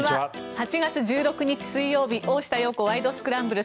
８月１６日、水曜日「大下容子ワイド！スクランブル」。